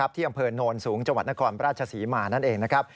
ที่อำเภอโนนสูงจังหวัดนครราชศรีมานั่นเอง